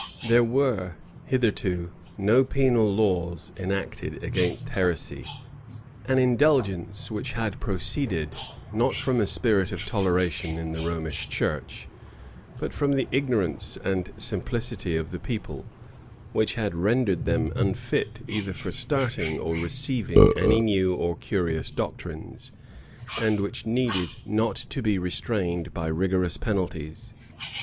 There were hitherto no penal laws enacted against heresy; an indulgence which had proceeded, not from a spirit of toleration in the Romish church, but from the ignorance and simplicity of the people, which had rendered them unfit either for starting or receiving any new or curious doctrines, and which needed not to be restrained by rigorous penalties.